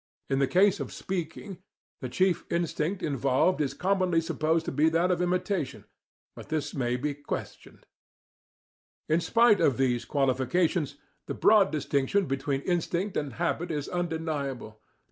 In the case of speaking, the chief instinct involved is commonly supposed to be that of imitation, but this may be questioned. (See Thorndike's "Animal Intelligence," p. 253 ff.) In spite of these qualifications, the broad distinction between instinct and habit is undeniable.